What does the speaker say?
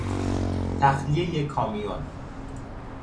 تخلیهی کامیون